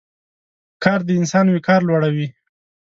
کار د انسان وقار لوړوي.